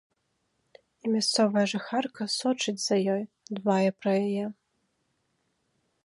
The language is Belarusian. І мясцовая жыхарка сочыць за ёй, дбае пра яе.